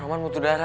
roman butuh darah